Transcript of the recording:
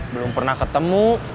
belum pernah ketemu